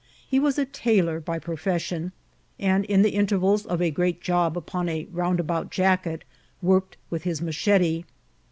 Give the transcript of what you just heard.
He was a tailor by pro* fession, and in the intervals of a great job upon a roundabout jacket, worked with his machete.